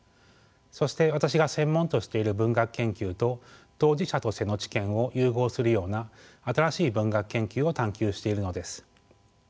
そして私が専門としている文学研究と当事者としての知見を融合するような新しい文学研究を探求しているのです。